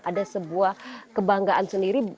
ada sebuah kebanggaan sendiri